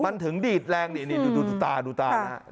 มันถึงดีดแรงนี่ดูตาดูตานะฮะ